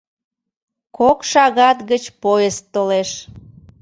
— Кок шагат гыч поезд толеш.